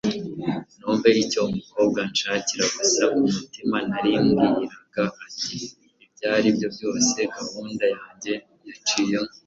numve icyo umukobwa anshakira, gusa kumutima naribwiraga nti ibyaribyo byose gahunda yanjye yaciyemo!